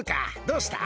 どうした？